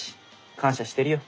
感謝してるよ。